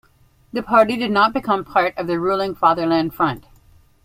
The party did not become part of the ruling Fatherland Front.